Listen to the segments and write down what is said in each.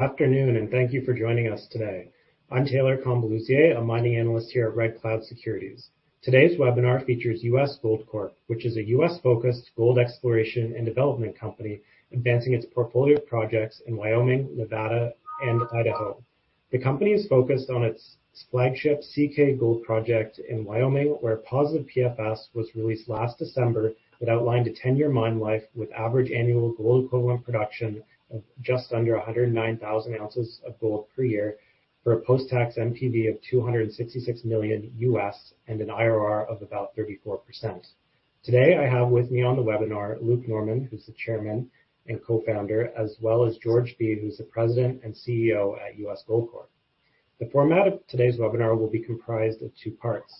Good afternoon. Thank you for joining us today. I'm Taylor Combaluzier, a mining analyst here at Red Cloud Securities. Today's webinar features U.S. Gold Corp., which is a U.S.-focused gold exploration and development company, advancing its portfolio of projects in Wyoming, Nevada, and Idaho. The company is focused on its flagship CK Gold project in Wyoming, where a positive PFS was released last December that outlined a 10-year mine life with average annual gold equivalent production of just under 109,000 ounces of gold per year, for a post-tax NPV of $266 million and an IRR of about 34%. Today, I have with me on the webinar, Luke Norman, who's the Chairman and Co-founder, as well as George Bee, who's the President and CEO at U.S. Gold Corp. The format of today's webinar will be comprised of two parts.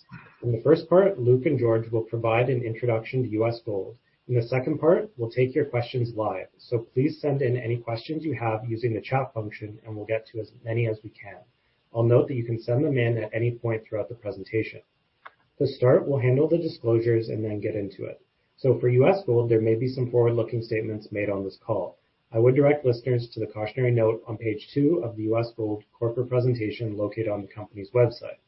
In the first part, Luke and George will provide an introduction to U.S. Gold. In the second part, we'll take your questions live. Please send in any questions you have using the chat function, and we'll get to as many as we can. I'll note that you can send them in at any point throughout the presentation. To start, we'll handle the disclosures and then get into it. For U.S. Gold, there may be some forward-looking statements made on this call. I would direct listeners to the cautionary note on page two of the U.S. Gold corporate presentation located on the company's website.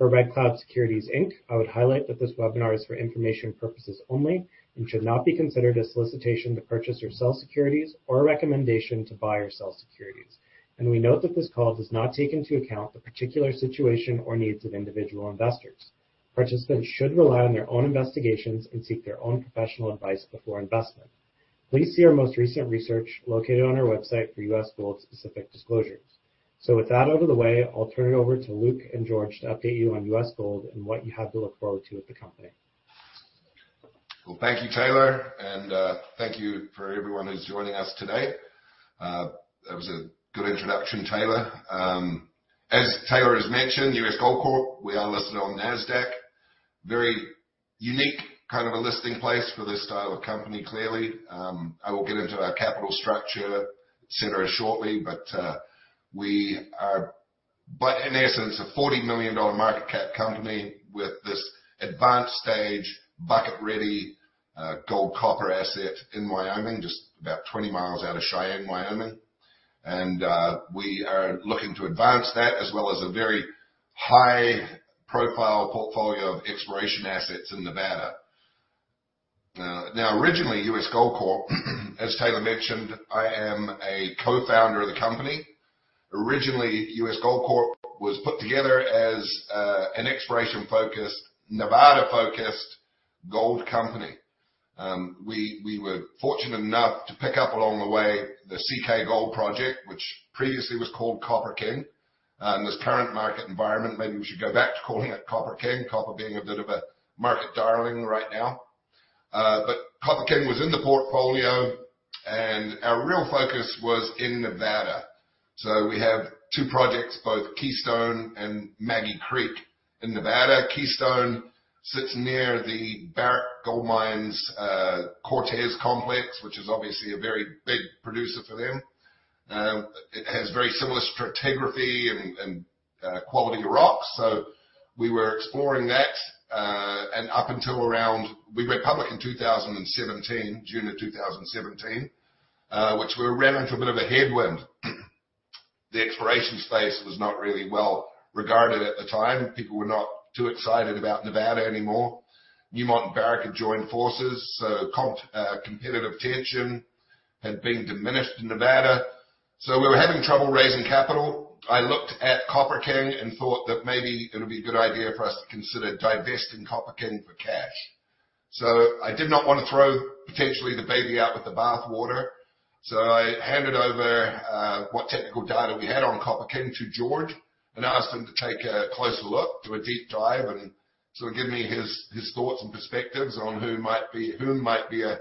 For Red Cloud Securities Inc, I would highlight that this webinar is for information purposes only and should not be considered a solicitation to purchase or sell securities or a recommendation to buy or sell securities. We note that this call does not take into account the particular situation or needs of individual investors. Participants should rely on their own investigations and seek their own professional advice before investment. Please see our most recent research located on our website for U.S. Gold-specific disclosures. With that out of the way, I'll turn it over to Luke and George to update you on U.S. Gold and what you have to look forward to with the company. Well, thank you, Taylor, thank you for everyone who's joining us today. That was a good introduction, Taylor. As Taylor has mentioned, U.S. Gold Corp, we are listed on Nasdaq. Very unique, kind of a listing place for this style of company, clearly. I will get into our capital structure et cetera, shortly, in essence, a $40 million market cap company with this advanced stage, bucket-ready, gold, copper asset in Wyoming, just about 20 miles out of Cheyenne, Wyoming. We are looking to advance that, as well as a very high-profile portfolio of exploration assets in Nevada. Now, originally, U.S. Gold Corp, as Taylor mentioned, I am a co-founder of the company. Originally, U.S. Gold Corp was put together as an exploration-focused, Nevada-focused gold company. We, we were fortunate enough to pick up along the way, the CK Gold project, which previously was called Copper King. This current market environment, maybe we should go back to calling it Copper King. Copper being a bit of a market darling right now. Copper King was in the portfolio, and our real focus was in Nevada. We have two projects, both Keystone and Maggie Creek in Nevada. Keystone sits near the Barrick Gold Mine's Cortez Complex, which is obviously a very big producer for them. It has very similar stratigraphy and, and quality of rock, so we were exploring that. Up until around. We went public in 2017, June of 2017, which we ran into a bit of a headwind. The exploration space was not really well regarded at the time. People were not too excited about Nevada anymore. Newmont and Barrick had joined forces, competitive tension had been diminished in Nevada, so we were having trouble raising capital. I looked at Copper King and thought that maybe it would be a good idea for us to consider divesting Copper King for cash. I did not want to throw potentially the baby out with the bathwater, so I handed over what technical data we had on Copper King to George and asked him to take a closer look, do a deep dive, and sort of give me his, his thoughts and perspectives on whom might be a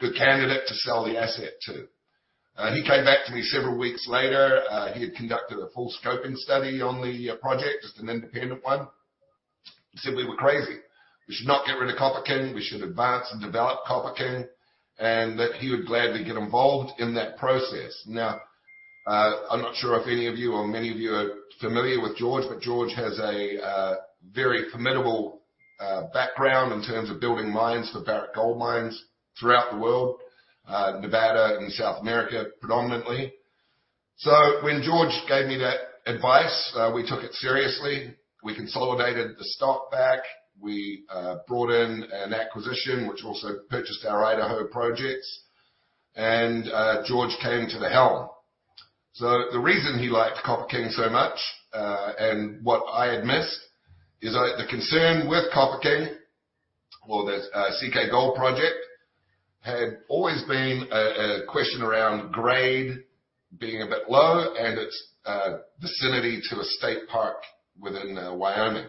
good candidate to sell the asset to. He came back to me several weeks later. He had conducted a full scoping study on the project, just an independent one. He said we were crazy. "We should not get rid of Copper King. We should advance and develop Copper King," and that he would gladly get involved in that process. I'm not sure if any of you or many of you are familiar with George, but George has a very formidable background in terms of building mines for Barrick Gold Mines throughout the world, Nevada and South America, predominantly. When George gave me that advice, we took it seriously. We consolidated the stock back. We brought in an acquisition, which also purchased our Idaho projects. George came to the helm. The reason he liked Copper King so much, and what I had missed, is that the concern with Copper King or the CK Gold project, had always been a question around grade being a bit low and its vicinity to a state park within Wyoming.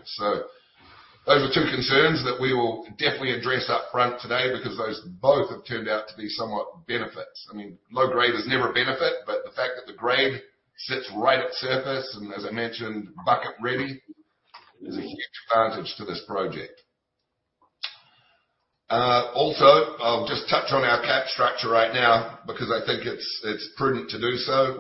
Those are two concerns that we will definitely address up front today, because those both have turned out to be somewhat benefits. I mean, low grade is never a benefit, the fact that the grade sits right at surface, and as I mentioned, bucket ready, is a huge advantage to this project. Also, I'll just touch on our cap structure right now because I think it's, it's prudent to do so.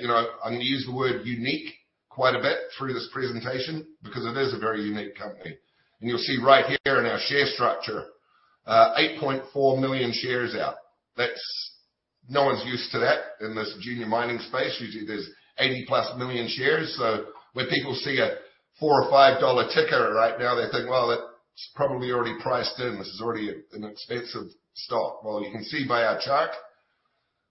You know, I'm gonna use the word unique quite a bit through this presentation because it is a very unique company. You'll see right here in our share structure, 8.4 million shares out. That's no one's used to that in this junior mining space. Usually, there's 80+ million shares. When people see a $4 or $5 ticker right now, they think, "It's probably already priced in. This is already an expensive stock." You can see by our chart,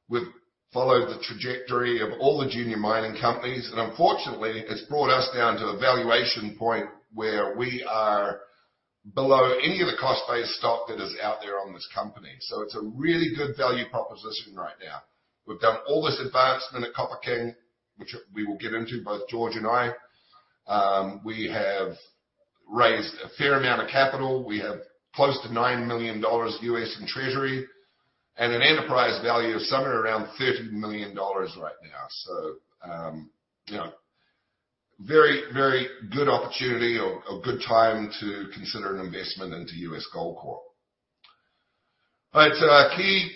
we've followed the trajectory of all the junior mining companies, and unfortunately, it's brought us down to a valuation point where we are below any of the cost-based stock that is out there on this company. It's a really good value proposition right now. We've done all this advancement at Copper King, which we will get into, both George and I. We have raised a fair amount of capital. We have close to $9 million in treasury, and an enterprise value of somewhere around $30 million right now. You know, very, very good opportunity or a good time to consider an investment into U.S. Gold Corp. Our key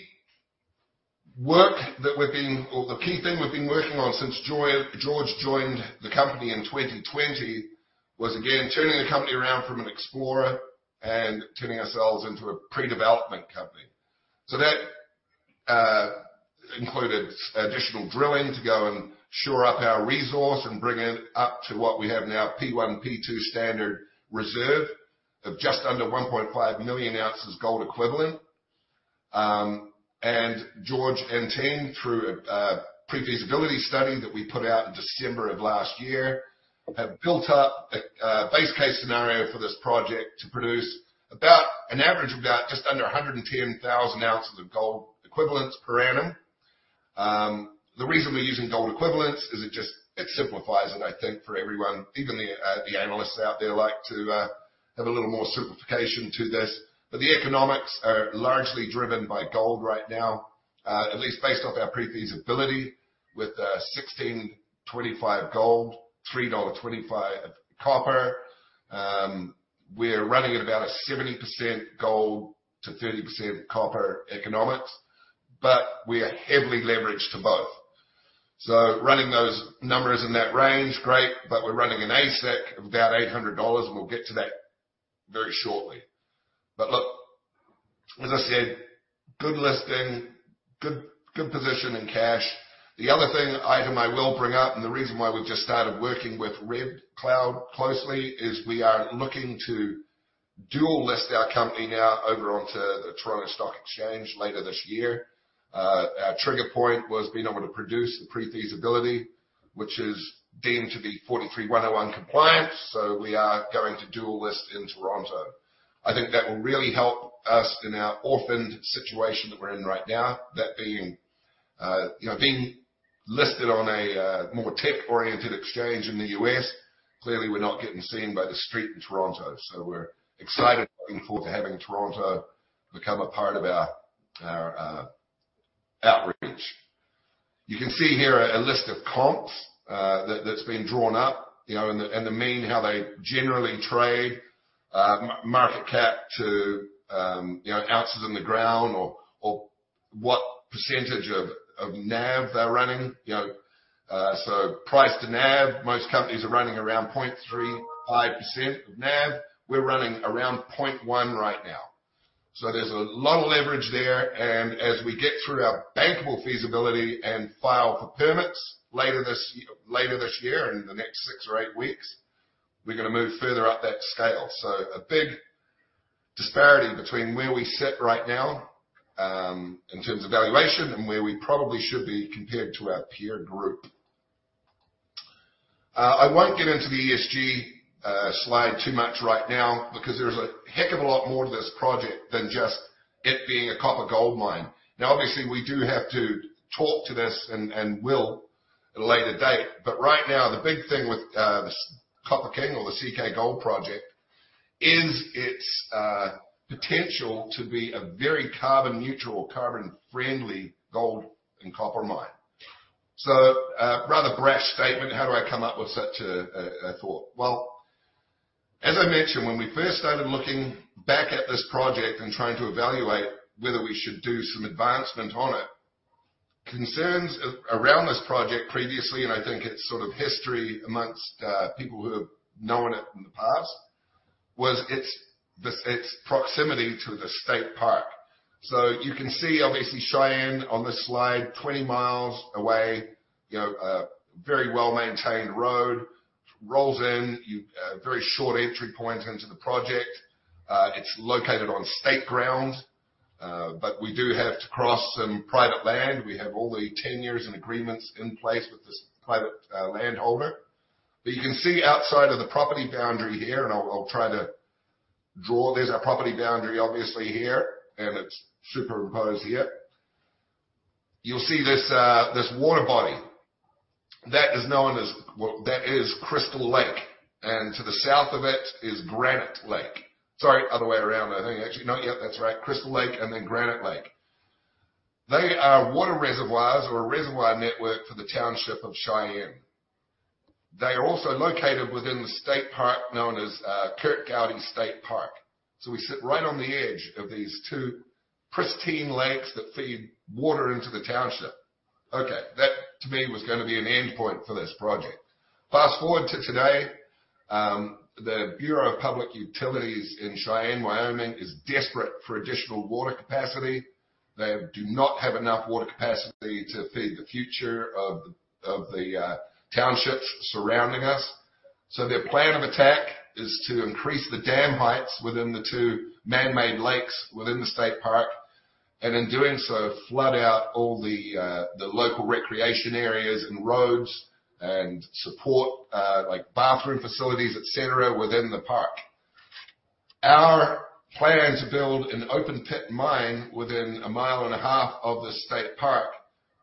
work that we've been—or the key thing we've been working on since George joined the company in 2020, was, again, turning the company around from an explorer and turning ourselves into a pre-development company. That included additional drilling to go and shore up our resource and bring it up to what we have now, P1, P2 standard reserve of just under 1.5 million ounces gold equivalent. George and team, through a pre-feasibility study that we put out in December of last year, have built up a base case scenario for this project to produce about an average of about just under 110,000 ounces of gold equivalents per annum. The reason we're using gold equivalents is it just, it simplifies it, I think, for everyone. Even the analysts out there like to have a little more simplification to this. The economics are largely driven by gold right now, at least based off our pre-feasibility with $1,625 gold, $3.25 copper. We're running at about a 70% gold to 30% copper economics, we are heavily leveraged to both. Running those numbers in that range, great, we're running an AISC of about $800, and we'll get to that very shortly. Look, as I said, good listing, good, good position in cash. The other item I will bring up, and the reason why we've just started working with Red Cloud closely, is we are looking to dual list our company now over onto the Toronto Stock Exchange later this year. Our trigger point was being able to produce the pre-feasibility, which is deemed to be NI 43-101 compliant, we are going to dual list in Toronto. I think that will really help us in our orphaned situation that we're in right now. That being, you know, being listed on a more tech-oriented exchange in the U.S., clearly we're not getting seen by the street in Toronto. We're excited, looking forward to having Toronto become a part of our, our outreach. You can see here a list of comps that, that's been drawn up, you know, and the, and the mean, how they generally trade, market cap to, you know, ounces in the ground or, or what percentage of NAV they're running. You know, price to NAV, most companies are running around 0.35% of NAV. We're running around 0.1 right now. There's a lot of leverage there, and as we get through our bankable feasibility and file for permits later this year, later this year, in the next 6 or 8 weeks, we're gonna move further up that scale. A big disparity between where we sit right now, in terms of valuation and where we probably should be compared to our peer group. I won't get into the ESG slide too much right now because there's a heck of a lot more to this project than just it being a copper gold mine. Obviously, we do have to talk to this and, and will at a later date. Right now, the big thing with this Copper King or the CK Gold Project, is its potential to be a very carbon neutral, carbon friendly, gold and copper mine. A rather brash statement, how do I come up with such a thought? Well, as I mentioned, when we first started looking back at this project and trying to evaluate whether we should do some advancement on it, concerns around this project previously, and I think it's sort of history amongst people who have known it in the past, was its proximity to the state park. You can see, obviously, Cheyenne on this slide, 20 mi away, you know, a very well-maintained road, rolls in, very short entry point into the project. It's located on state ground, but we do have to cross some private land. We have all the tenures and agreements in place with this private landholder. You can see outside of the property boundary here, and I'll try to draw. There's our property boundary, obviously, here, and it's superimposed here. You'll see this water body. That is known as, Well, that is Crystal Lake, and to the south of it is Granite Lake. Sorry, other way around. I think actually, no, yeah, that's right. Crystal Lake and then Granite Lake. They are water reservoirs or a reservoir network for the township of Cheyenne. They are also located within the state park known as, Curt Gowdy State Park. We sit right on the edge of these two pristine lakes that feed water into the township. Okay, that to me, was gonna be an endpoint for this project. Fast-forward to today. The Bureau of Public Utilities in Cheyenne, Wyoming, is desperate for additional water capacity. They do not have enough water capacity to feed the future of, of the townships surrounding us. Their plan of attack is to increase the dam heights within the two man-made lakes within the state park, and in doing so, flood out all the local recreation areas and roads and support, like bathroom facilities, et cetera, within the park. Our plan to build an open-pit mine within a mile and a half of the state park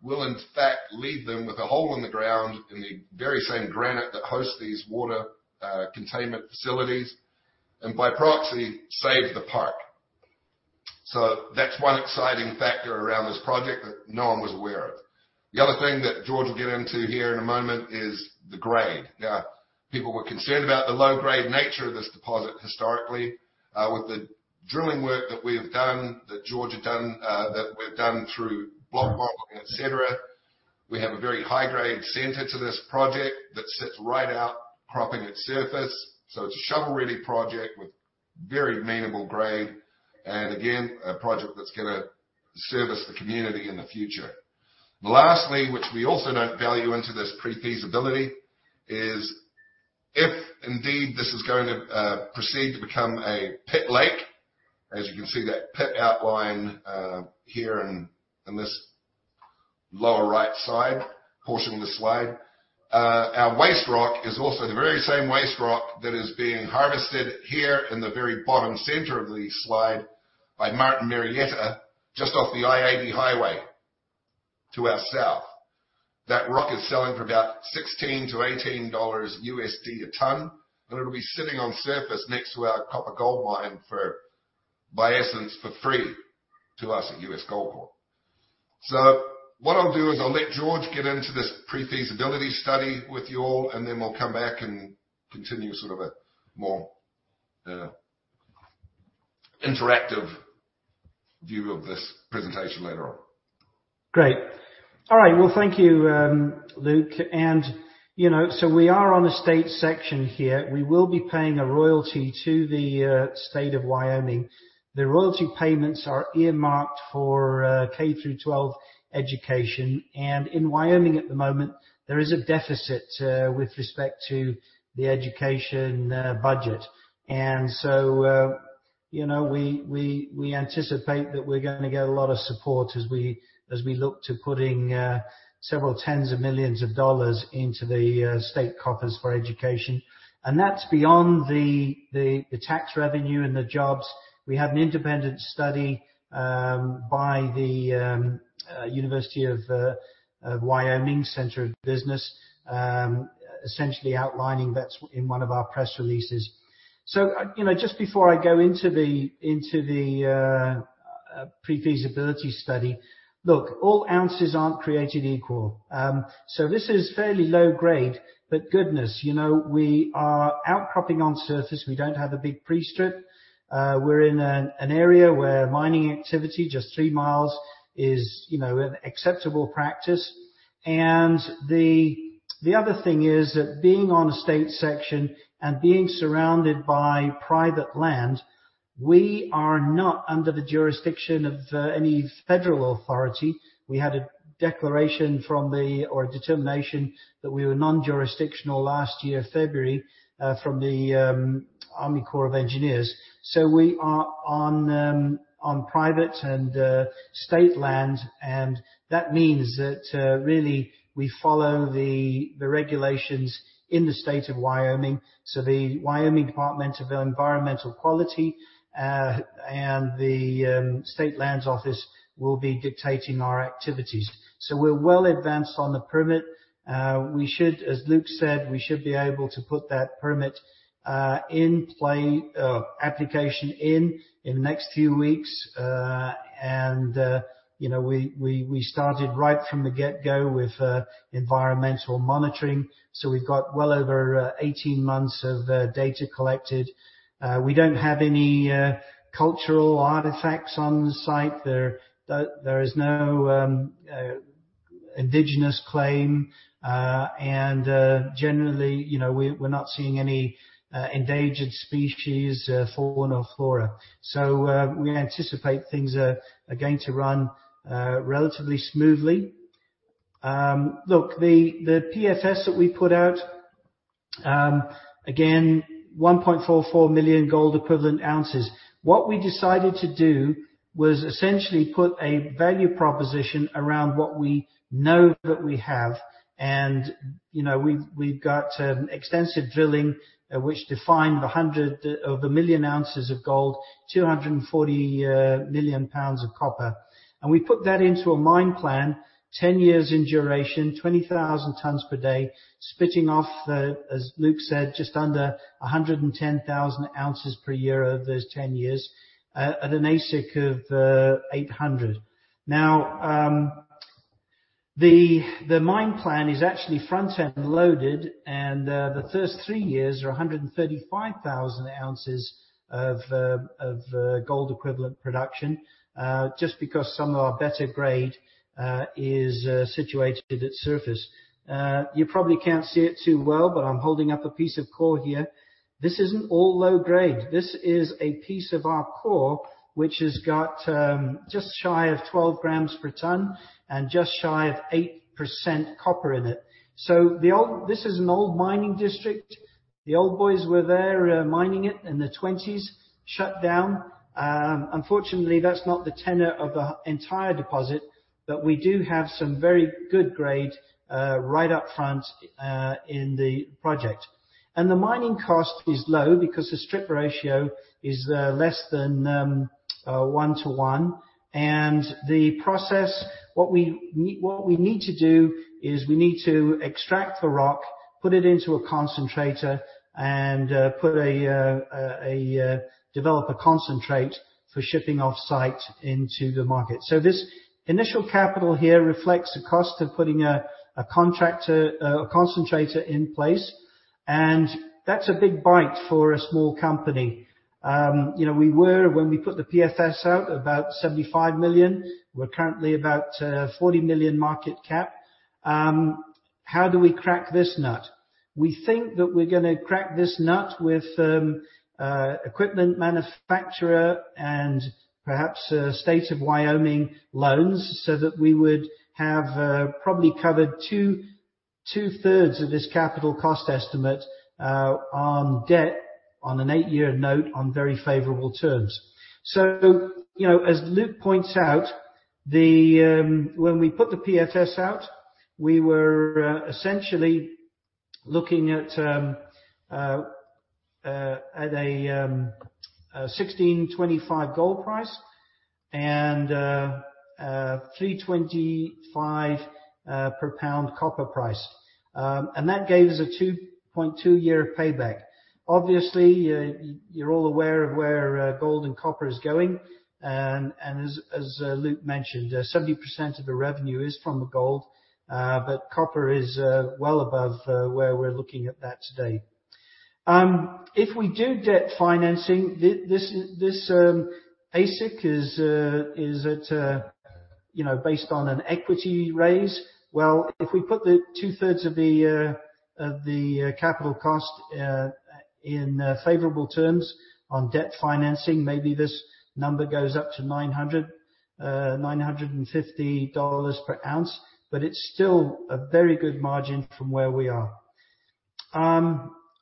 will, in fact, leave them with a hole in the ground in the very same granite that hosts these water containment facilities, and by proxy, save the park. That's one exciting factor around this project that no one was aware of. The other thing that George will get into here in a moment is the grade. Now, people were concerned about the low-grade nature of this deposit historically. With the drilling work that we have done, that George had done, that we've done through block modeling, et cetera, we have a very high-grade center to this project that sits right out, cropping its surface. It's a shovel-ready project with very mineable grade, and again, a project that's gonna service the community in the future. Lastly, which we also don't value into this pre-feasibility, is if indeed this is going to proceed to become a pit lake, as you can see that pit outline here in this lower right side portion of the slide. Our waste rock is also the very same waste rock that is being harvested here in the very bottom center of the slide by Martin Marietta, just off the I-80 highway to our south. That rock is selling for about $16-$18 a ton, and it'll be sitting on surface next to our copper-gold mine for, by essence, for free to us at U.S. Gold Corp. What I'll do is I'll let George get into this pre-feasibility study with you all, and then we'll come back and continue sort of a more, interactive view of this presentation later on. Great. All right, well, thank you, Luke Norman. You know, we are on a state section here. We will be paying a royalty to the State of Wyoming. The royalty payments are earmarked for K-12 education, and in Wyoming at the moment, there is a deficit with respect to the education budget. You know, we, we, we anticipate that we're gonna get a lot of support as we, as we look to putting several tens of millions of dollars into the state coffers for education. That's beyond the tax revenue and the jobs. We have an independent study by the University of Wyoming Center of Business, essentially outlining, that's in one of our press releases. You know, just before I go into the pre-feasibility study. Look, all ounces aren't created equal. This is fairly low grade, but goodness, you know, we are outcropping on surface. We don't have a big pre-strip. We're in an area where mining activity, just 3 miles, is, you know, an acceptable practice. The other thing is that being on a state section and being surrounded by private land, we are not under the jurisdiction of any federal authority. We had a declaration from the or a determination that we were non-jurisdictional last year, February, from the Army Corps of Engineers. We are on private and state land, and that means that really, we follow the regulations in the State of Wyoming. The Wyoming Department of Environmental Quality and the State Lands Office will be dictating our activities. We're well advanced on the permit. We should, as Luke said, we should be able to put that permit in play, application in, in the next few weeks. You know, we started right from the get-go with environmental monitoring, so we've got well over 18 months of data collected. We don't have any cultural artifacts on the site. There is no indigenous claim. Generally, you know, we're not seeing any endangered species, fauna or flora. We anticipate things are going to run relatively smoothly. Look, the PFS that we put out, again, 1.44 million gold equivalent ounces. What we decided to do was essentially put a value proposition around what we know that we have. You know, we've, we've got extensive drilling, which defined the 100 of a million ounces of gold, 240 million pounds of copper. We put that into a mine plan, 10 years in duration, 20,000 tons per day, splitting off, as Luke said, just under 110,000 ounces per year over those 10 years, at, at an AISC of $800. Now, the mine plan is actually front-end loaded, and the first 3 years are 135,000 ounces of gold equivalent production, just because some of our better grade is situated at surface. You probably can't see it too well, but I'm holding up a piece of core here. This isn't all low grade. This is a piece of our core, which has got just shy of 12 grams per tonne and just shy of 8% copper in it. This is an old mining district. The old boys were there, mining it in the '20s, shut down. Unfortunately, that's not the tenor of the entire deposit, but we do have some very good grade right up front in the project. The mining cost is low because the strip ratio is less than 1 to 1. The process, what we what we need to do, is we need to extract the rock, put it into a concentrator, and put a, a, develop a concentrate for shipping off-site into the market. This initial capital here reflects the cost of putting a, a contractor, a concentrator in place, and that's a big bite for a small company. You know, we were, when we put the PFS out, about $75 million. We're currently about $40 million market cap. How do we crack this nut? We think that we're gonna crack this nut with equipment manufacturer and perhaps State of Wyoming loans, so that we would have probably covered two-thirds of this capital cost estimate on debt, on an 8-year note on very favorable terms. You know, as Luke points out, when we put the PFS out, we were essentially looking at a $1,625 gold price and $3.25 per pound copper price. That gave us a 2.2-year payback. Obviously, you're all aware of where gold and copper is going. As, as Luke mentioned, 70% of the revenue is from the gold, but copper is well above where we're looking at that today. If we do debt financing, AISC is at, you know, based on an equity raise. Well, if we put the 2/3 of the of the capital cost in favorable terms on debt financing, maybe this number goes up to $950 per ounce, but it's still a very good margin from where we are.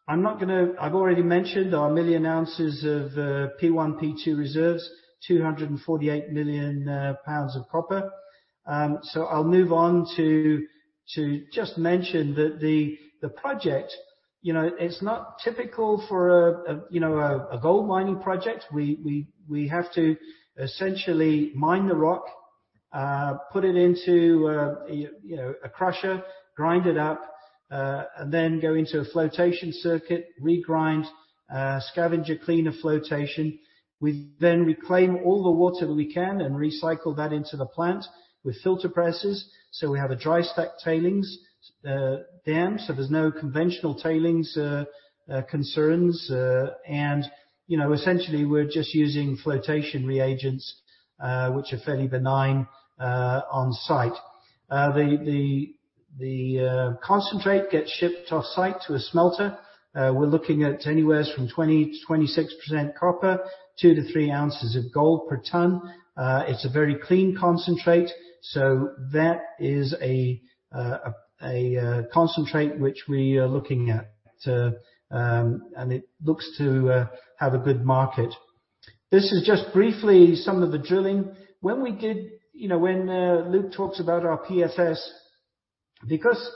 I've already mentioned our million ounces of P1, P2 reserves, 248 million pounds of copper. I'll move on to, to just mention that the, the project, you know, it's not typical for a, a, you know, a gold mining project. We, we, we have to essentially mine the rock, put it into, you know, a crusher, grind it up, and then go into a flotation circuit, regrind, scavenger cleaner flotation. We then reclaim all the water that we can and recycle that into the plant with filter presses, so we have a dry stack tailings dam, so there's no conventional tailings concerns. You know, essentially, we're just using flotation reagents, which are fairly benign, on-site. The, the, the concentrate gets shipped off-site to a smelter. We're looking at anywheres from 20%-26% copper, 2-3 ounces of gold per tonne. It's a very clean concentrate, so that is a concentrate which we are looking at, and it looks to have a good market. This is just briefly some of the drilling. You know, when Luke talks about our PFS, because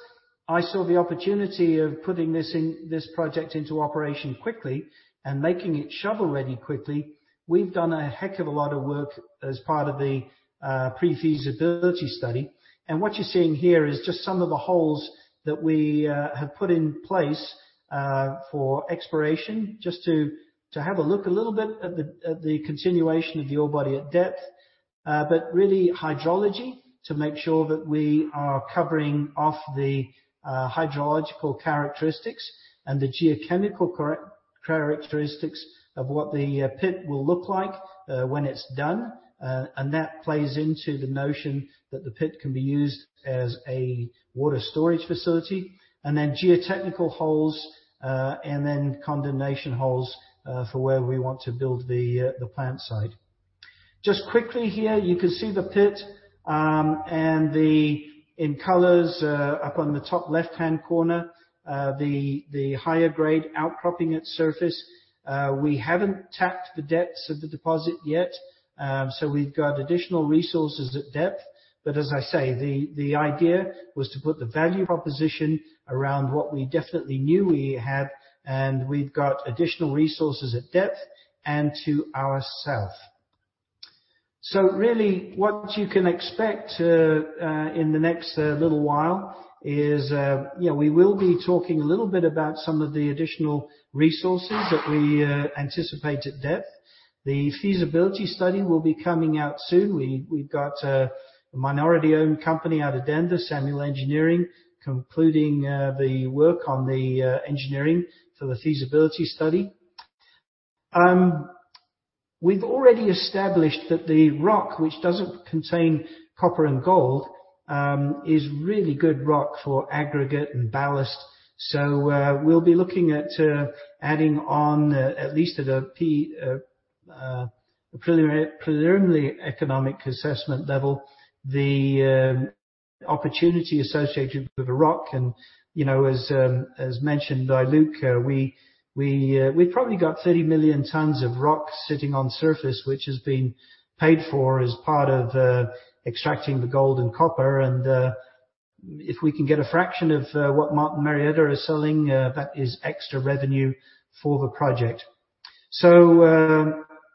I saw the opportunity of putting this in, this project into operation quickly and making it shovel-ready quickly, we've done a heck of a lot of work as part of the pre-feasibility study. What you're seeing here is just some of the holes that we have put in place for exploration, just to have a look a little bit at the continuation of the ore body at depth. Really hydrology, to make sure that we are covering off the hydrological characteristics and the geochemical characteristics of what the pit will look like when it's done. That plays into the notion that the pit can be used as a water storage facility. Geotechnical holes, and then condensation holes, for where we want to build the plant site. Just quickly here, you can see the pit, In colors, up on the top left-hand corner, the higher grade outcropping at surface. We haven't tapped the depths of the deposit yet, we've got additional resources at depth. As I say, the, the idea was to put the value proposition around what we definitely knew we had, and we've got additional resources at depth and to our south. Really what you can expect in the next little while is, you know, we will be talking a little bit about some of the additional resources that we anticipate at depth. The feasibility study will be coming out soon. We, we've got a minority-owned company out of Denver, Samuel Engineering, concluding the work on the engineering for the feasibility study. We've already established that the rock, which doesn't contain copper and gold, is really good rock for aggregate and ballast. We'll be looking at adding on at least at a preliminary, preliminary economic assessment level, the opportunity associated with the rock. You know, as mentioned by Luke, we, we've probably got 30 million tons of rock sitting on surface, which has been paid for as part of extracting the gold and copper. If we can get a fraction of what Martin Marietta is selling, that is extra revenue for the project.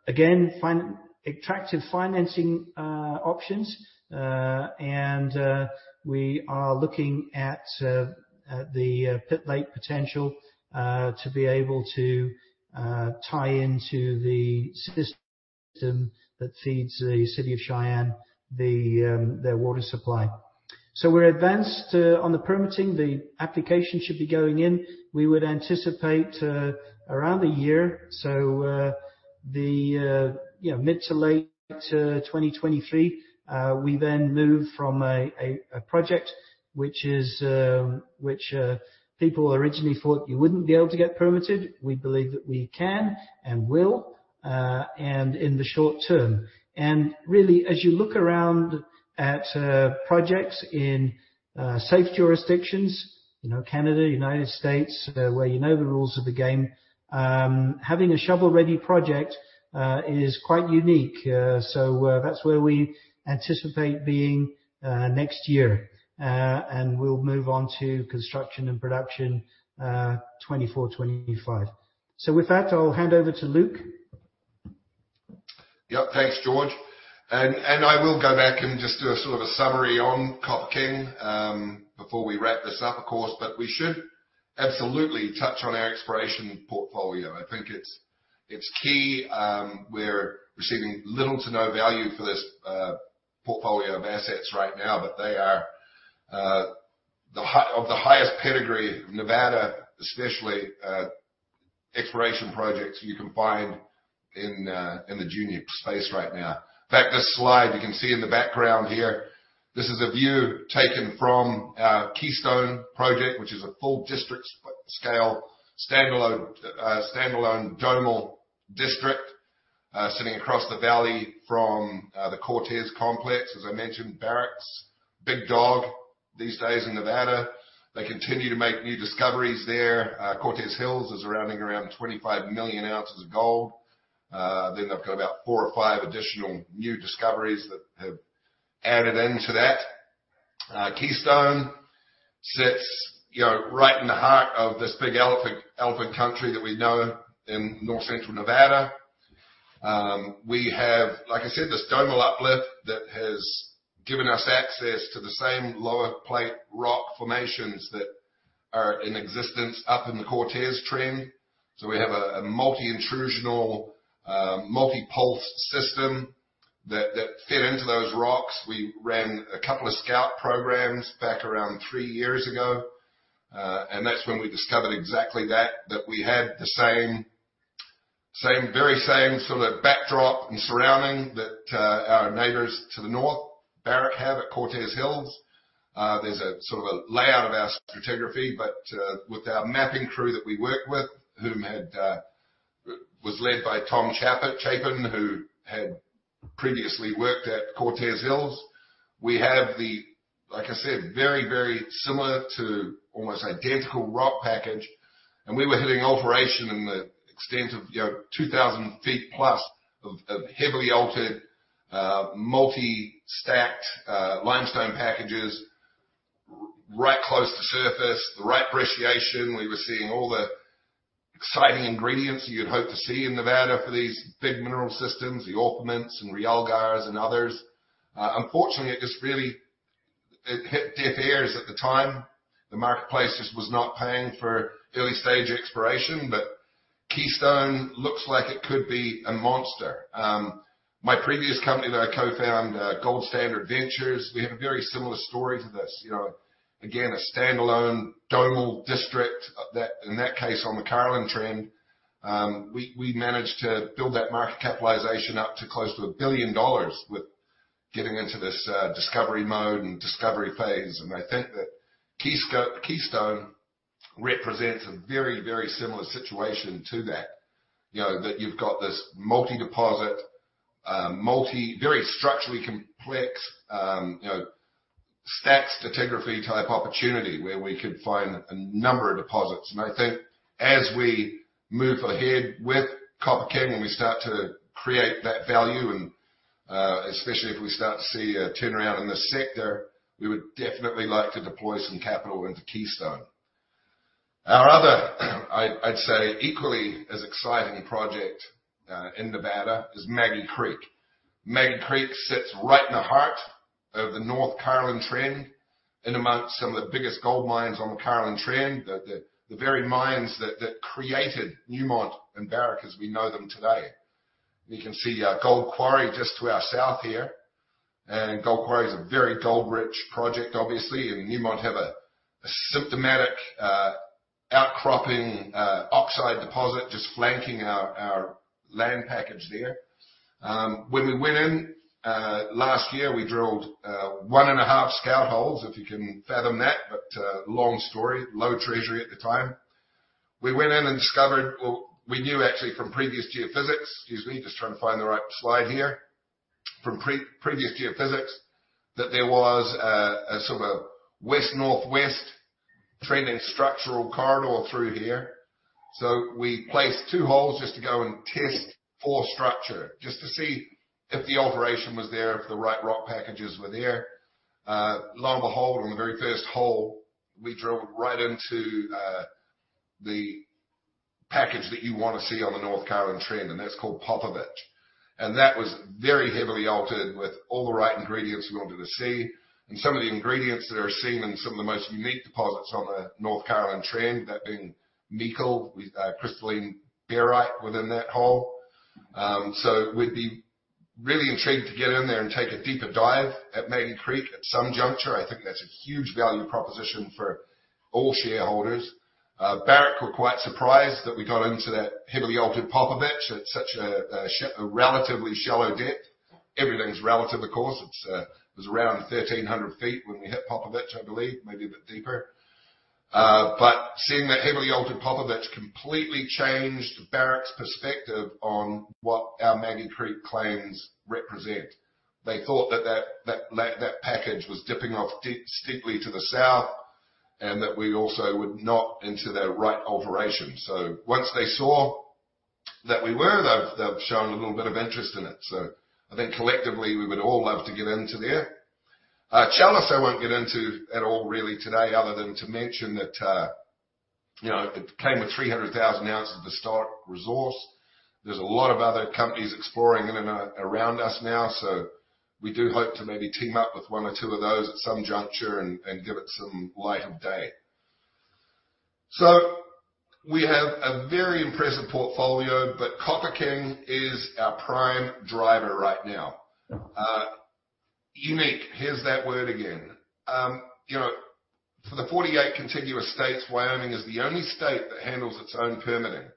Again, attractive financing options. We are looking at the pit lake potential to be able to tie into the system that feeds the city of Cheyenne, their water supply. We're advanced on the permitting. The application should be going in. We would anticipate around a year. The, you know, mid to late 2023, we then move from a project which is, which people originally thought you wouldn't be able to get permitted. We believe that we can and will, and in the short term. Really, as you look around at projects in safe jurisdictions, you know, Canada, United States, where you know the rules of the game, having a shovel-ready project is quite unique. That's where we anticipate being next year. And we'll move on to construction and production, 2024-2025. With that, I'll hand over to Luke. Yep. Thanks, George. I will go back and just do a sort of a summary on Copper King, before we wrap this up, of course. We should absolutely touch on our exploration portfolio. I think it's, it's key. We're receiving little to no value for this portfolio of assets right now. They are the highest pedigree, Nevada, especially, exploration projects you can find in the junior space right now. In fact, this slide, you can see in the background here, this is a view taken from our Keystone project, which is a full district scale, standalone domal district, sitting across the valley from the Cortez Complex. As I mentioned, Barrick's big dog these days in Nevada. They continue to make new discoveries there. Cortez Hills is rounding around 25 million ounces of gold. Then they've got about four or five additional new discoveries that have added into that. Keystone sits, you know, right in the heart of this big elephant, elephant country that we know in north-central Nevada. We have, like I said, this domal uplift that has given us access to the same lower plate rock formations that are in existence up in the Cortez trend. We have a, a multi-intrusional, multi-pulse system that, that fed into those rocks. We ran a couple of scout programs back around three years ago, and that's when we discovered exactly that, that we had the same, same, very same sort of backdrop and surrounding that, our neighbors to the north, Barrick, have at Cortez Hills. There's a sort of a layout of our stratigraphy, with our mapping crew that we work with, whom had was led by Tom Chapin, who had previously worked at Cortez Hills. We have the, like I said, very, very similar to almost identical rock package, we were hitting alteration in the extent of, you know, 2,000 feet plus of, of heavily altered, multi-stacked, limestone packages right close to surface, the right brecciation. We were seeing all the exciting ingredients you'd hope to see in Nevada for these big mineral systems, the orpiment and realgars and others. Unfortunately, it just really, it hit deaf ears at the time. The marketplace just was not paying for early-stage exploration, Keystone looks like it could be a monster. My previous company that I co-founded, Gold Standard Ventures, we have a very similar story to this. You know, again, a standalone domal district that, in that case, on the Carlin Trend. We managed to build that market capitalization up to close to $1 billion with getting into this discovery mode and discovery phase. I think that Keystone represents a very, very similar situation to that. You know, that you've got this multi-deposit, multi- very structurally complex, you know, stacked stratigraphy-type opportunity where we could find a number of deposits. I think as we move ahead with Copper King, and we start to create that value, and especially if we start to see a turnaround in the sector, we would definitely like to deploy some capital into Keystone. Our other, I'd say, equally as exciting project in Nevada is Maggie Creek. Maggie Creek sits right in the heart of the North Carlin Trend, in amongst some of the biggest gold mines on the Carlin Trend. The very mines that created Newmont and Barrick as we know them today. You can see Gold Quarry just to our south here, and Gold Quarry is a very gold-rich project, obviously. Newmont have a symptomatic outcropping oxide deposit just flanking our land package there. When we went in last year, we drilled 1.5 scout holes, if you can fathom that. But long story, low treasury at the time. We went in and discovered. We knew actually from previous geophysics, excuse me, just trying to find the right slide here. From previous geophysics, that there was a sort of a west-northwest trending structural corridor through here. We placed 2 holes just to go and test for structure, just to see if the alteration was there, if the right rock packages were there. Lo and behold, on the very first hole, we drove right into the package that you want to see on the North Carlin Trend, and that's called Popovich. That was very heavily altered with all the right ingredients we wanted to see. Some of the ingredients that are seen in some of the most unique deposits on the North Carlin Trend, that being nickel with crystalline barite within that hole. We'd be really intrigued to get in there and take a deeper dive at Maggie Creek at some juncture. I think that's a huge value proposition for all shareholders. Barrick were quite surprised that we got into that heavily altered Popovich at such a relatively shallow depth. Everything's relative, of course. It's, it was around 1,300 feet when we hit Popovich, I believe, maybe a bit deeper. Seeing that heavily altered Popovich completely changed Barrick's perspective on what our Maggie Creek claims represent. They thought that, that, that, that package was dipping off steeply to the south, and that we also were not into the right alteration. Once they saw that we were, they've, they've shown a little bit of interest in it. I think collectively, we would all love to get into there. Challis, I won't get into at all really today, other than to mention that, you know, it came with 300,000 ounces of historic resource. There's a lot of other companies exploring in and around us now, so we do hope to maybe team up with one or two of those at some juncture and, and give it some light of day. We have a very impressive portfolio, but Copper King is our prime driver right now. Unique, here's that word again. You know, for the 48 contiguous states, Wyoming is the only state that handles its own permitting.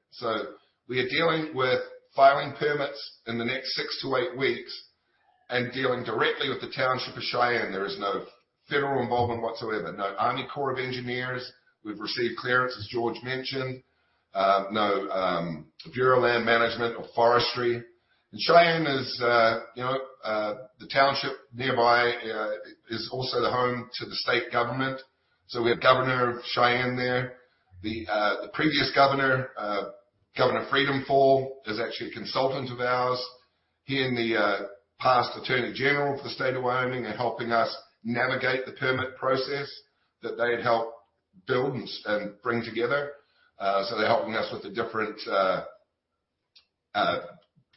We are dealing with filing permits in the next 6-8 weeks and dealing directly with the Township of Cheyenne. There is no federal involvement whatsoever, no U.S. Army Corps of Engineers. We've received clearance, as George mentioned. No Bureau of Land Management or Forestry. Cheyenne is, you know, the township nearby, is also the home to the state government. We have Governor of Cheyenne there. The previous governor, Governor Freudenthal, is actually a consultant of ours. He and the past attorney general for the State of Wyoming are helping us navigate the permit process that they had helped build and bring together. They're helping us with the different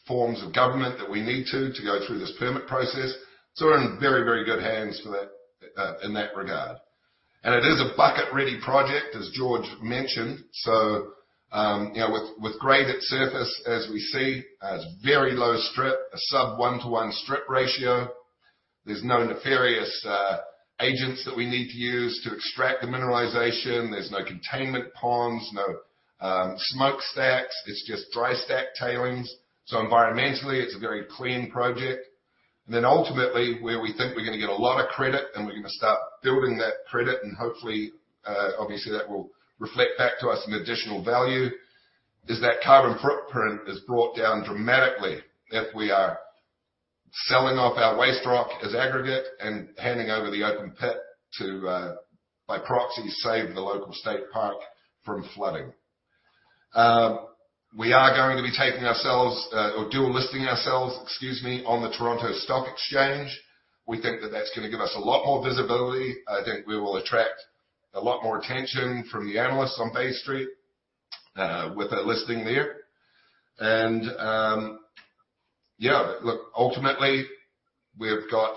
forms of government that we need to go through this permit process. We're in very, very good hands for that in that regard. It is a bucket-ready project, as George mentioned. You know, with, with grade at surface, as we see, it's very low strip, a sub one-to-one strip ratio. There's no nefarious agents that we need to use to extract the mineralization. There's no containment ponds, no smoke stacks. It's just dry stack tailings. Environmentally, it's a very clean project. Ultimately, where we think we're going to get a lot of credit, and we're going to start building that credit, and hopefully, obviously, that will reflect back to us some additional value, is that carbon footprint is brought down dramatically if we are selling off our waste rock as aggregate and handing over the open pit to, by proxy, save the local state park from flooding. We are going to be taking ourselves, or dual listing ourselves, excuse me, on the Toronto Stock Exchange. We think that that's going to give us a lot more visibility. I think we will attract a lot more attention from the analysts on Bay Street, with a listing there. Yeah, look, ultimately, we've got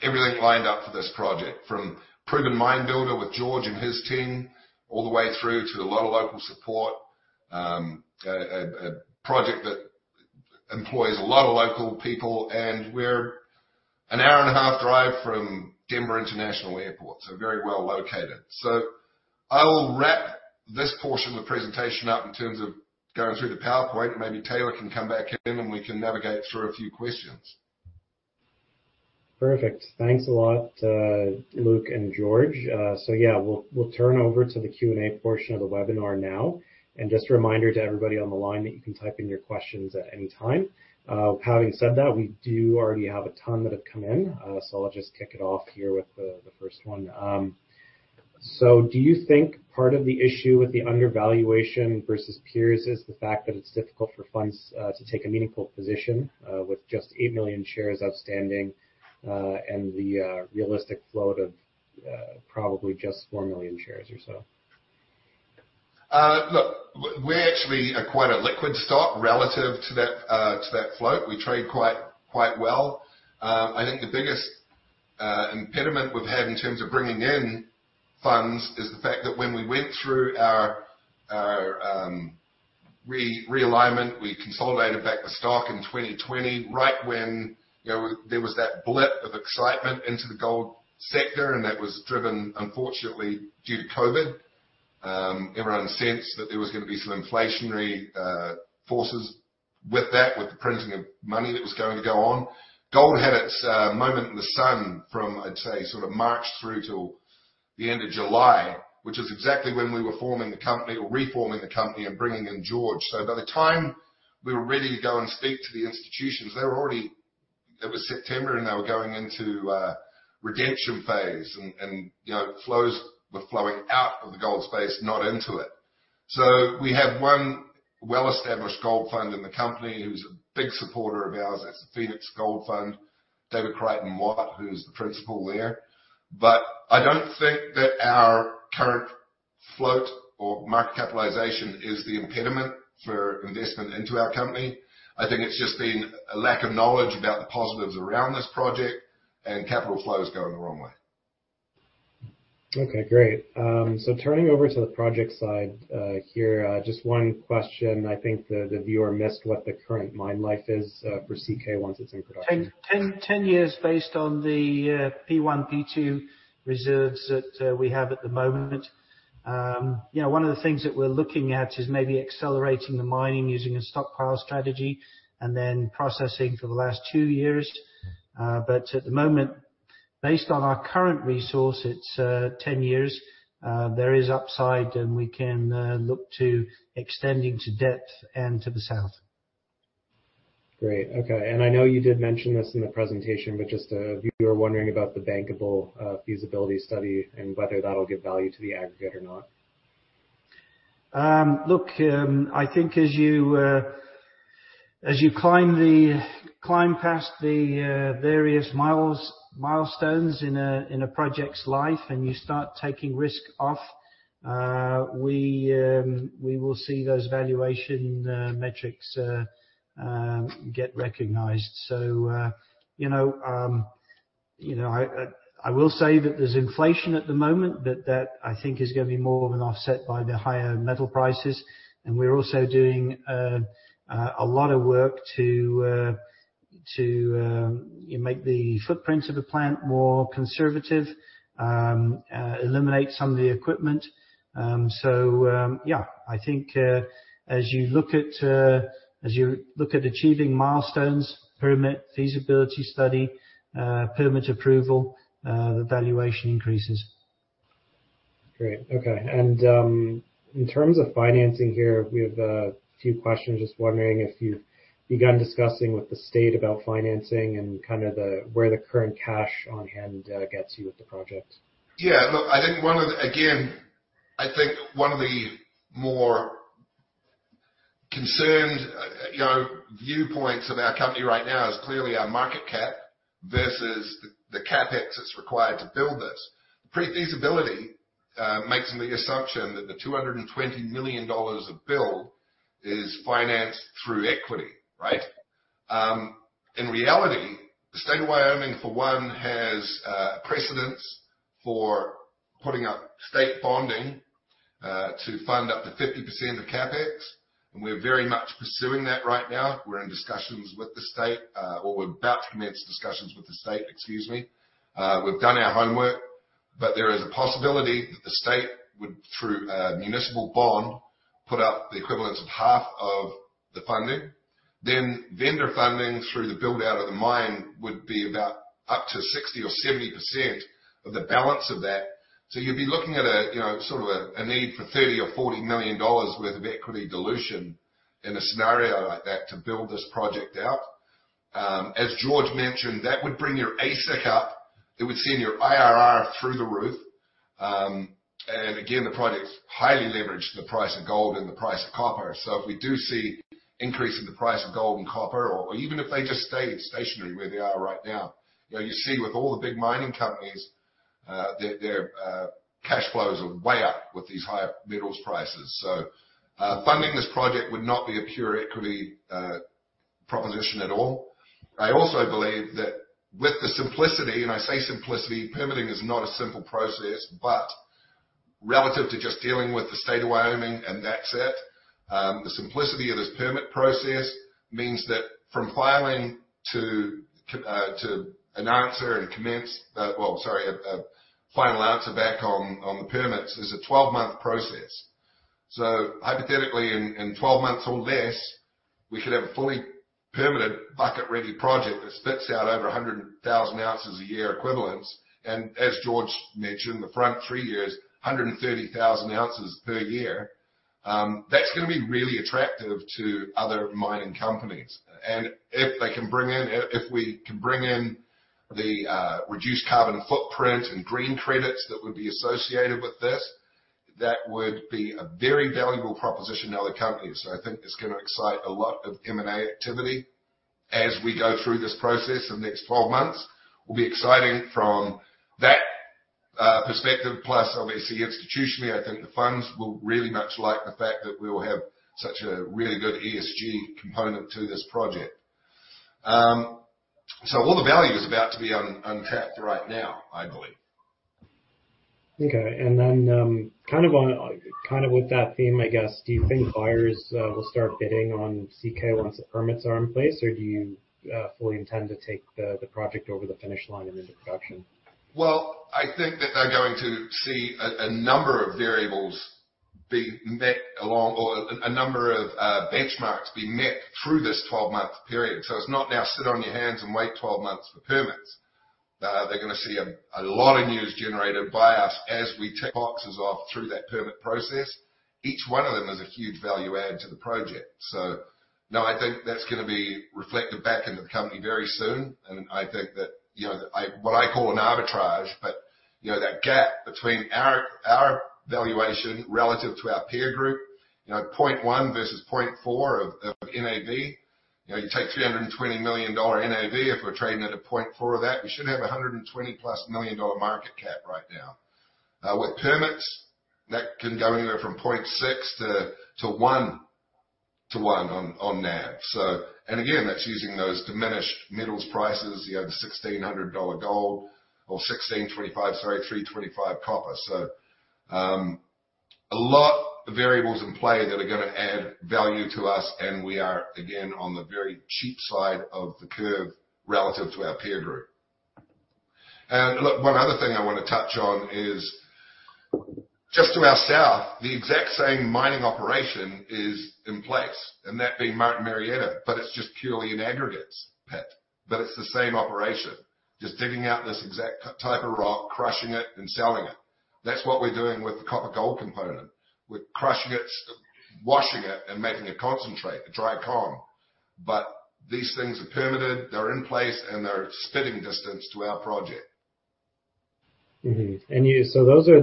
everything lined up for this project, from proven mine builder with George and his team, all the way through to a lot of local support. A project that employs a lot of local people, and we're an hour-and-a-half drive from Denver International Airport, very well located. I will wrap this portion of the presentation up in terms of going through the PowerPoint. Maybe Taylor can come back in, and we can navigate through a few questions. Perfect. Thanks a lot, Luke and George. So yeah, we'll, we'll turn over to the Q&A portion of the webinar now. Just a reminder to everybody on the line that you can type in your questions at any time. Having said that, we do already have a ton that have come in, so I'll just kick it off here with the, the first one. So do you think part of the issue with the undervaluation versus peers is the fact that it's difficult for funds, to take a meaningful position, with just 8 million shares outstanding, and the realistic float of probably just 4 million shares or so? Look, we're actually a quite a liquid stock relative to that, to that float. We trade quite, quite well. I think the biggest impediment we've had in terms of bringing in funds is the fact that when we went through our, our realignment, we consolidated back the stock in 2020, right when, you know, there was that blip of excitement into the gold sector, and that was driven, unfortunately, due to COVID. Everyone sensed that there was gonna be some inflationary forces with that, with the printing of money that was going to go on. Gold had its moment in the sun from, I'd say, sort of March through till the end of July, which is exactly when we were forming the company or reforming the company and bringing in George. By the time we were ready to go and speak to the institutions, they were already. It was September, and they were going into a redemption phase, and, you know, flows were flowing out of the gold space, not into it. We have one well-established gold fund in the company who's a big supporter of ours. That's the Phoenix Gold Fund, David Crichton-Watt, who's the principal there. I don't think that our current float or market capitalization is the impediment for investment into our company. I think it's just been a lack of knowledge about the positives around this project and capital flows going the wrong way. Okay, great. Turning over to the project side, here, just one question. I think the, the viewer missed what the current mine life is, for CK once it's in production. 10, 10 years based on the P1, P2 reserves that we have at the moment. You know, one of the things that we're looking at is maybe accelerating the mining, using a stockpile strategy and then processing for the last 2 years. At the moment, based on our current resource, it's 10 years. There is upside, and we can look to extending to depth and to the south. Great. Okay. I know you did mention this in the presentation, just, you were wondering about the bankable feasibility study and whether that'll give value to the aggregate or not. Look, I think as you, as you climb the... climb past the various milestones in a project's life, and you start taking risk off, we will see those valuation metrics get recognized. You know, you know, I, I, I will say that there's inflation at the moment, but that I think is gonna be more of an offset by the higher metal prices. We're also doing a lot of work to to make the footprint of the plant more conservative, eliminate some of the equipment. Yeah, I think, as you look at, as you look at achieving milestones, permit, feasibility study, permit approval, the valuation increases. Great. Okay. In terms of financing here, we have a few questions. Just wondering if you've begun discussing with the state about financing and kind of the, where the current cash on hand, gets you with the project. Yeah, look, I think one of the again, I think one of the more concerned, you know, viewpoints of our company right now is clearly our market cap versus the, the CapEx that's required to build this. Pre-feasibility makes the assumption that the $220 million of build is financed through equity, right? In reality, the State of Wyoming, for one, has precedence for putting up state bonding to fund up to 50% of CapEx, and we're very much pursuing that right now. We're in discussions with the state, or we're about to commence discussions with the state, excuse me. We've done our homework, but there is a possibility that the state would, through a municipal bond, put up the equivalent of half of the funding. Vendor funding through the build-out of the mine would be about up to 60% or 70% of the balance of that. You'd be looking at a, you know, sort of a, a need for $30 million or $40 million worth of equity dilution in a scenario like that to build this project out. As George mentioned, that would bring your AISC up. It would send your IRR through the roof. Again, the project's highly leveraged in the price of gold and the price of copper. If we do see increase in the price of gold and copper, or even if they just stay stationary where they are right now, you know, you see with all the big mining companies, their cash flows are way up with these higher metals prices. Funding this project would not be a pure equity proposition at all. I also believe that with the simplicity, and I say simplicity, permitting is not a simple process, but relative to just dealing with the State of Wyoming and that's it, the simplicity of this permit process means that from filing to an answer and commence, well, sorry, a final answer back on the permits is a 12-month process. Hypothetically, in 12 months or less, we could have a fully permitted, bucket-ready project that spits out over 100,000 ounces a year equivalence. As George mentioned, the front 3 years, 130,000 ounces per year. That's gonna be really attractive to other mining companies. If they can bring in, if we can bring in the reduced carbon footprint and green credits that would be associated with this, that would be a very valuable proposition to other companies. I think it's gonna excite a lot of M&A activity. As we go through this process in the next 12 months, will be exciting from that perspective. Obviously, institutionally, I think the funds will really much like the fact that we will have such a really good ESG component to this project. All the value is about to be untapped right now, I believe. Okay. Then, kind of on, kind of with that theme, I guess, do you think buyers will start bidding on CK once the permits are in place, or do you fully intend to take the project over the finish line and into production? I think that they're going to see a, a number of variables being met along or a, a number of benchmarks being met through this 12-month period. it's not now sit on your hands and wait 12 months for permits. they're gonna see a, a lot of news generated by us as we tick boxes off through that permit process. Each one of them is a huge value add to the project. No, I think that's gonna be reflected back into the company very soon, and I think that, you know, what I call an arbitrage, but, you know, that gap between our, our valuation relative to our peer group, you know, 0.1 versus 0.4 of NAV. You know, you take $320 million NAV, if we're trading at 0.4 of that, we should have a $120+ million market cap right now. With permits, that can go anywhere from 0.6 to 1 to 1 on NAV. Again, that's using those diminished metals prices, you know, the $1,600 gold or $1,625, sorry, $3.25 copper. A lot of variables in play that are gonna add value to us, and we are, again, on the very cheap side of the curve relative to our peer group. Look, one other thing I wanna touch on is, just to our south, the exact same mining operation is in place, and that being Martin Marietta, but it's just purely an aggregates pit. It's the same operation, just digging out this exact type of rock, crushing it and selling it. That's what we're doing with the copper-gold component. We're crushing it, washing it, and making a concentrate, a dry con. These things are permitted, they're in place, and they're spitting distance to our project. Mm-hmm. You... those are,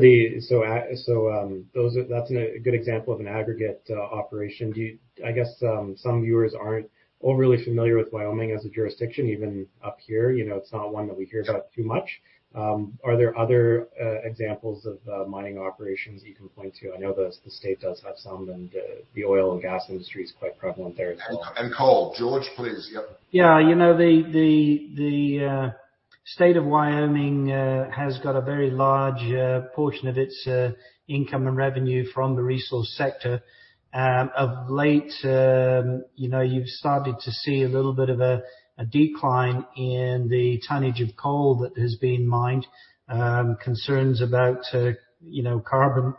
that's a, a good example of an aggregate operation. I guess, some viewers aren't overly familiar with Wyoming as a jurisdiction, even up here. You know, it's not one that we hear about too much. Are there other examples of mining operations you can point to? I know the, the state does have some, and the oil and gas industry is quite prevalent there as well. Coal. George, please. Yep. Yeah, you know, the, the, the State of Wyoming has got a very large portion of its income and revenue from the resource sector. Of late, you know, you've started to see a little bit of a decline in the tonnage of coal that has been mined. Concerns about, you know, carbon,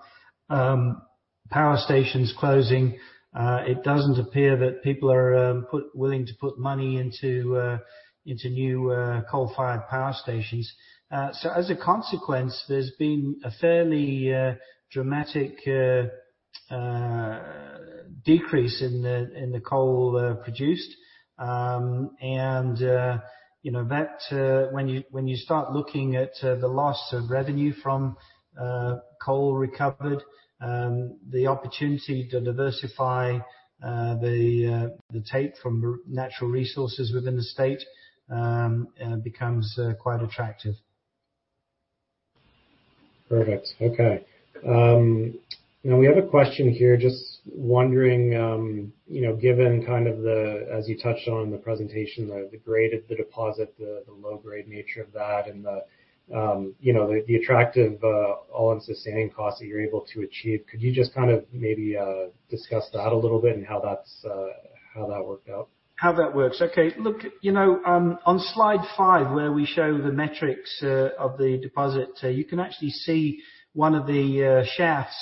power stations closing. It doesn't appear that people are willing to put money into new coal-fired power stations. As a consequence, there's been a fairly dramatic decrease in the coal produced. You know, that, when you start looking at, the loss of revenue from coal recovered, the opportunity to diversify, the take from natural resources within the state, becomes quite attractive. Perfect. Okay. you know, we have a question here, just wondering, you know, given kind of the... as you touched on in the presentation, the, the grade of the deposit, the, the low-grade nature of that and the, you know, the, the attractive, all-in sustaining costs that you're able to achieve, could you just kind of maybe, discuss that a little bit and how that's, how that worked out? How that works? Okay. Look, you know, on slide five, where we show the metrics of the deposit, you can actually see one of the shafts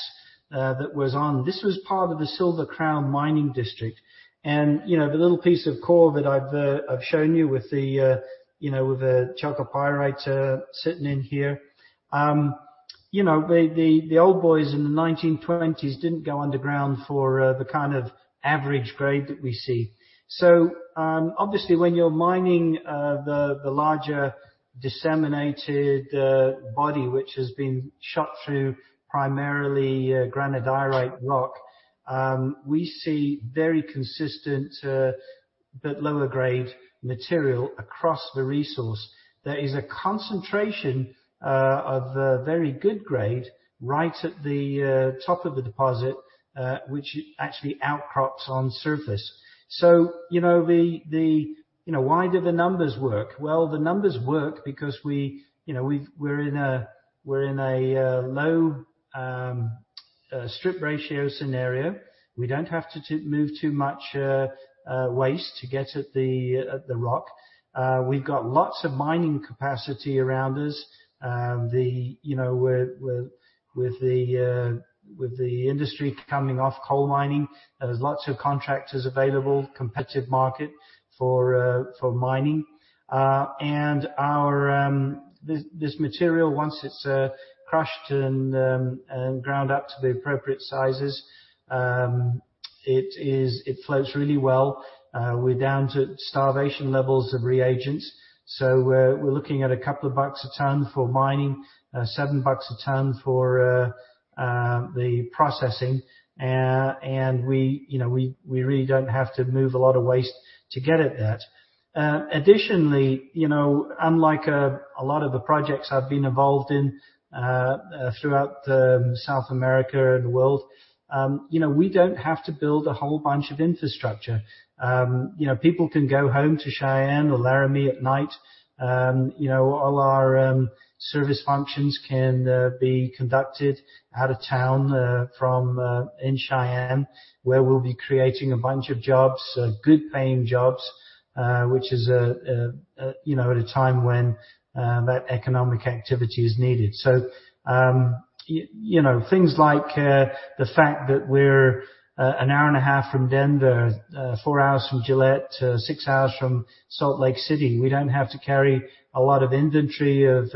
that was on. This was part of the Silver Crown mining district. You know, the little piece of core that I've shown you with the, you know, with the chalcopyrite sitting in here. You know, the old boys in the 1920s didn't go underground for the kind of average grade that we see. Obviously, when you're mining the larger disseminated body, which has been shot through primarily granodiorite rock, we see very consistent, but lower-grade material across the resource. There is a concentration, of, very good grade right at the, top of the deposit, which actually outcrops on surface. You know, why do the numbers work? Well, the numbers work because we, you know, we're in a, we're in a, low, strip ratio scenario. We don't have to, to move too much, waste to get at the, at the rock. We've got lots of mining capacity around us. The, you know, with, with, with the, with the industry coming off coal mining, there's lots of contractors available, competitive market for, for mining. Our, this, this material, once it's, crushed and, and ground up to the appropriate sizes, it floats really well. we're down to starvation levels of reagents, so we're, we're looking at a couple of bucks a ton for mining, $7 a ton for the processing. We, you know, we, we really don't have to move a lot of waste to get at that. Additionally, you know, unlike a lot of the projects I've been involved in, throughout South America and the world, you know, we don't have to build a whole bunch of infrastructure. You know, people can go home to Cheyenne or Laramie at night. You know, all our service functions can be conducted out of town from in Cheyenne, where we'll be creating a bunch of jobs, good paying jobs, which is a, you know, at a time when that economic activity is needed. You know, things like the fact that we're an hour and a half from Denver, four hours from Gillette, six hours from Salt Lake City, we don't have to carry a lot of inventory of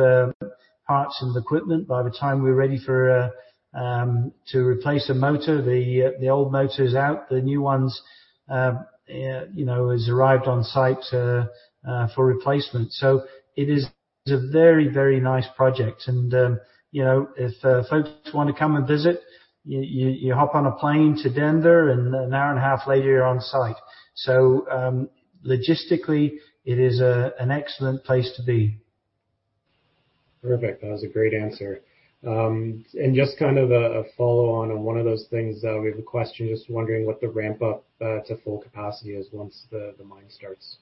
parts and equipment. By the time we're ready for to replace a motor, the old motor is out, the new ones, you know, has arrived on site for replacement. It is a very, very nice project. You know, if folks wanna come and visit, you, you hop on a plane to Denver and 1.5 hours later, you're on site. Logistically, it is an excellent place to be. Perfect. That was a great answer. Just kind of a follow-on on one of those things. We have a question, just wondering what the ramp up to full capacity is once the mining starts.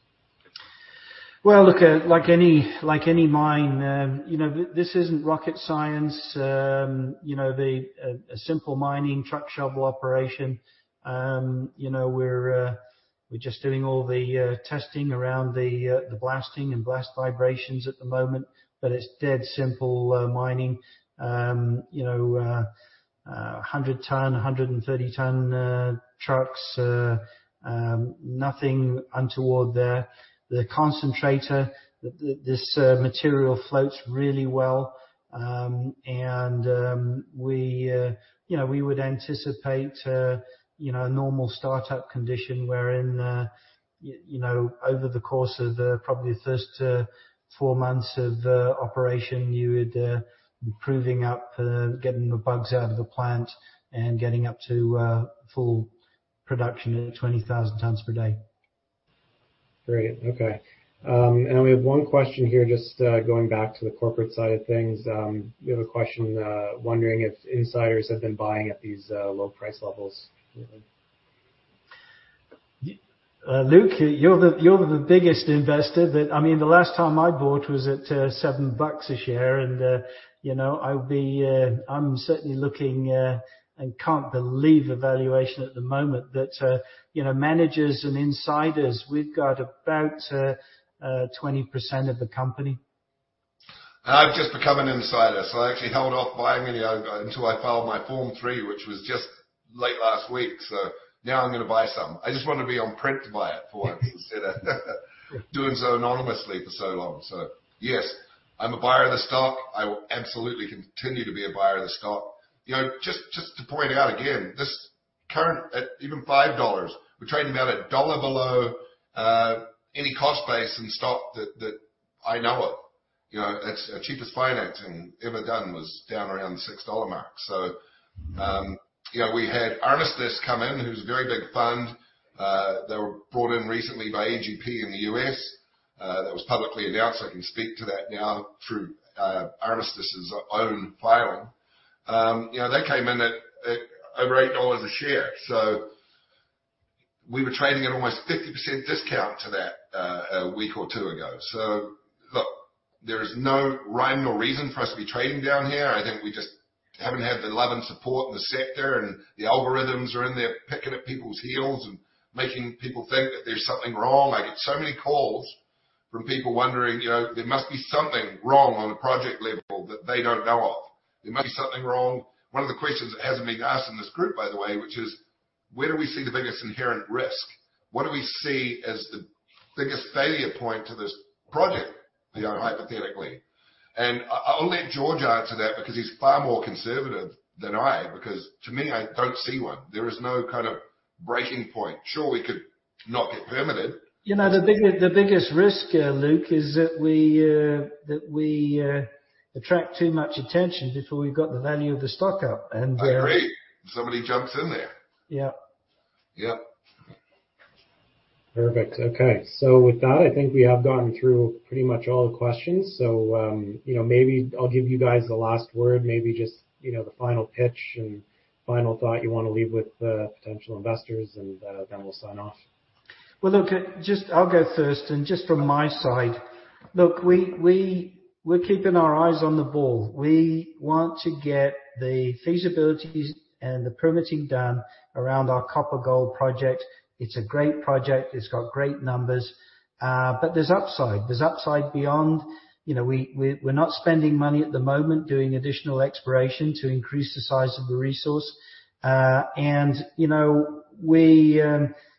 Well, look, like any, like any mine, you know, this isn't rocket science. You know, a simple mining truck shovel operation. You know, we're just doing all the testing around the blasting and blast vibrations at the moment, but it's dead simple mining. You know, 100 ton, 130 ton trucks, nothing untoward there. The concentrator, this material floats really well. We, you know, we would anticipate, you know, a normal startup condition wherein, you know, over the course of the probably the first four months of operation, you would improving up, getting the bugs out of the plant and getting up to full production at 20,000 tons per day. Great. Okay. We have one question here, just going back to the corporate side of things. We have a question, wondering if insiders have been buying at these low price levels. Luke, you're the, you're the biggest investor that. I mean, the last time I bought was at $7 a share, and, you know, I would be, I'm certainly looking, and can't believe the valuation at the moment. You know, managers and insiders, we've got about, 20% of the company. I've just become an insider, so I actually held off buying any until I filed my Form 3, which was just late last week. Now I'm gonna buy some. I just wanted to be on print to buy it- Yes. -for what considered. Doing so anonymously for so long. Yes, I'm a buyer of the stock. I will absolutely continue to be a buyer of the stock. You know, just, just to point out again, this current, at even $5, we're trading about $1 below any cost base and stock that, that I know of. You know, it's. Our cheapest financing ever done was down around the $6 mark. You know, we had Armistice come in, who's a very big fund. They were brought in recently by EGP in the U.S. That was publicly announced, so I can speak to that now through Armistice's own filing. You know, they came in at over $8 a share, so we were trading at almost 50% discount to that a week or two ago. Look, there is no rhyme nor reason for us to be trading down here. I think we just haven't had the love and support in the sector, and the algorithms are in there picking at people's heels and making people think that there's something wrong. I get so many calls from people wondering, you know, there must be something wrong on a project level that they don't know of. There may be something wrong. One of the questions that hasn't been asked in this group, by the way, which is: Where do we see the biggest inherent risk? What do we see as the biggest failure point to this project, you know, hypothetically? I'll let George answer that because he's far more conservative than I. To me, I don't see one. There is no kind of breaking point. Sure, we could not get permitted. You know, the biggest, the biggest risk, Luke, is that we attract too much attention before we've got the value of the stock up, and... Agreed. Somebody jumps in there. Yeah. Yep. Perfect. Okay. With that, I think we have gone through pretty much all the questions. You know, maybe I'll give you guys the last word, maybe just, you know, the final pitch and final thought you wanna leave with potential investors, and then we'll sign off. Well, look, just I'll go first and just from my side. Look, we, we, we're keeping our eyes on the ball. We want to get the feasibilities and the permitting done around our copper gold project. It's a great project. It's got great numbers. There's upside. There's upside beyond. You know, we, we, we're not spending money at the moment doing additional exploration to increase the size of the resource. You know, we,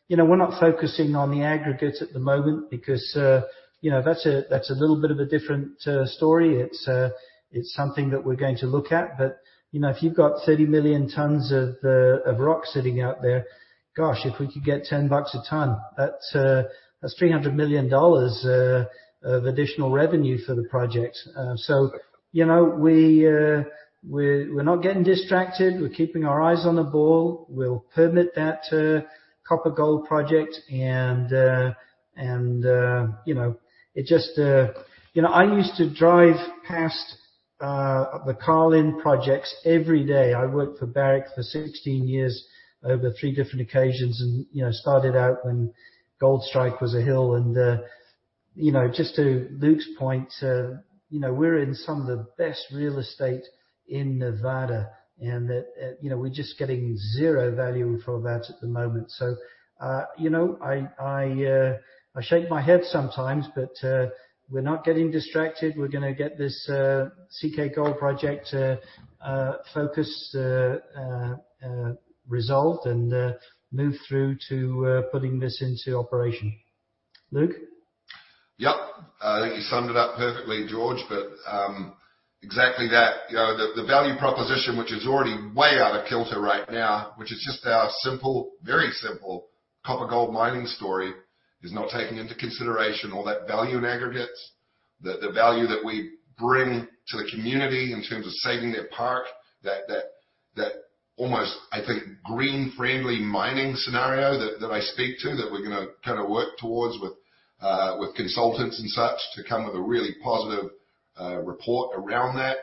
you know, we're not focusing on the aggregates at the moment because, you know, that's a, that's a little bit of a different story. It's, it's something that we're going to look at. You know, if you've got 30 million tons of rock sitting out there, gosh, if we could get $10 a ton, that's $300 million of additional revenue for the project. You know, we're not getting distracted. We're keeping our eyes on the ball. We'll permit that copper-gold project. You know, it just. You know, I used to drive past the Carlin projects every day. I worked for Barrick for 16 years over 3 different occasions and, you know, started out when Goldstrike was a hill. You know, just to Luke's point, you know, we're in some of the best real estate in Nevada, and that, you know, we're just getting zero value for that at the moment. You know, I, I, I shake my head sometimes, but, we're not getting distracted. We're gonna get this CK Gold project focused, resolved, and move through to putting this into operation. Luke? Yep. I think you summed it up perfectly, George. Exactly that, you know, the, the value proposition, which is already way out of kilter right now, which is just our simple, very simple, copper-gold mining story, is not taking into consideration all that value in aggregates. The, the value that we bring to the community in terms of saving their park, that, that, that almost, I think, green-friendly mining scenario that, that I speak to, that we're gonna kind of work towards with, with consultants and such, to come with a really positive, report around that.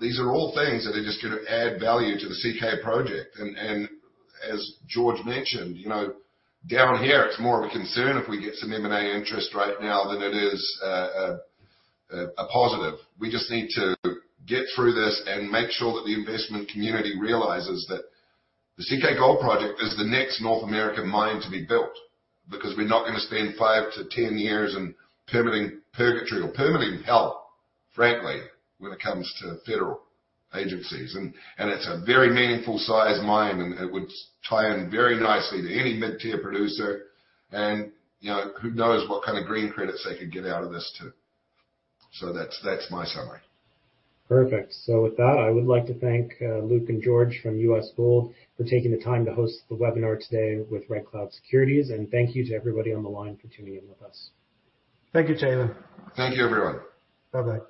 These are all things that are just gonna add value to the CK Project. As George mentioned, you know, down here, it's more of a concern if we get some M&A interest right now than it is, a positive. We just need to get through this and make sure that the investment community realizes that the CK Gold project is the next North American mine to be built. We're not gonna spend 5-10 years in permitting purgatory or permitting hell, frankly, when it comes to federal agencies. It's a very meaningful size mine, and it would tie in very nicely to any mid-tier producer. You know, who knows what kind of green credits they could get out of this, too. That's, that's my summary. Perfect. With that, I would like to thank Luke and George from U.S. Gold Corp. for taking the time to host the webinar today with Red Cloud Securities. Thank you to everybody on the line for tuning in with us. Thank you, Taylor. Thank you, everyone. Bye-bye.